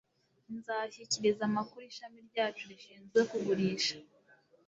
nzashyikiriza amakuru ishami ryacu rishinzwe kugurisha